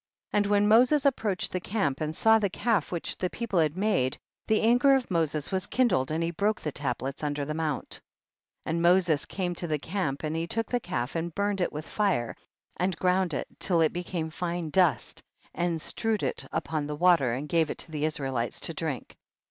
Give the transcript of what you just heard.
18. And when Moses approached the camp and saw the calf which the people had made, the anger of Mo ses was kindled and he broke the tablets under the mount. 19. And Moses came to the camp and he took the calf and burned it with fire, and ground it till it became fine dust, and strewed it upon the water and gave it to the Israelites to drink.